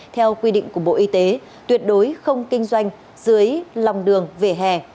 theo quy định của bộ y tế tuyệt đối không kinh doanh dưới lòng đường vỉa hè